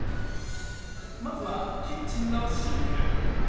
まずはキッチンのシンク。